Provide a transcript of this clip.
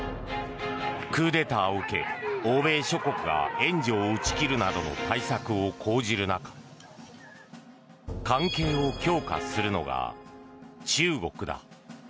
クーデターを受け欧米諸国が援助を打ち切るなどの対策を講じる中関係を強化するのが中国だ。